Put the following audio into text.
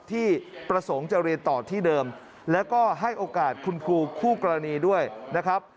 ที่ประสงค์จะเรียนต่อที่เดิมแล้วก็ให้โอกาสคุณครูคู่กรณีด้วยนะครับ